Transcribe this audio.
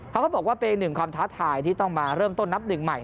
เขาก็บอกว่าเป็นอีกหนึ่งความท้าทายที่ต้องมาเริ่มต้นนับหนึ่งใหม่